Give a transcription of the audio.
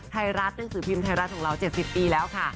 หนังสือพิมพ์ไทยรัฐของเรา๗๐ปีแล้วค่ะ